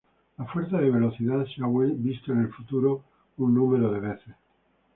La Fuerza de Velocidad se ha visto en el futuro un número de veces.